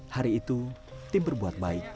hari itu tim berbuat baik